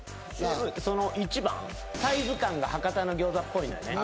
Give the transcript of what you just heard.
１番サイズ感が博多の餃子っぽいのよね